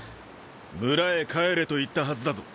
村へ帰れと言ったはずだぞ。